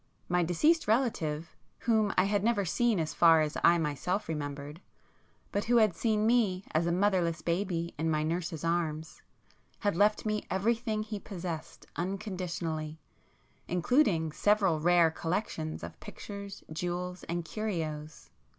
My deceased relative, whom I had never seen as far as I myself remembered, but who had seen me as a motherless baby in my nurse's arms, had left me everything he possessed unconditionally, including several rare collections of pictures, jewels and curios.